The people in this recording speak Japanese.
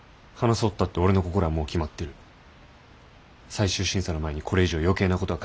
最終審査の前にこれ以上余計なことは考えたくない。